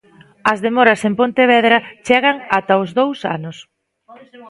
As demoras en Pontevedra chegan ata os dous anos.